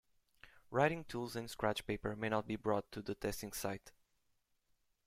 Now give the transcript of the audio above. Writing tools and scratch paper may not be brought to the testing site.